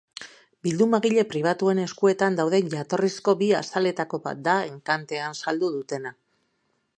Bildumagile pribatuen eskuetan dauden jatorrizko bi azaletako bat da enkantean saldu dutena.